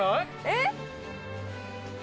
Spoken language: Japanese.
えっ？